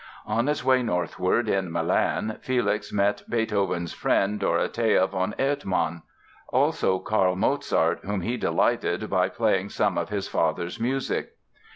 On his way northward, in Milan, Felix met Beethoven's friend, Dorothea von Ertmann; also, Karl Mozart, whom he delighted by playing some of his father's music.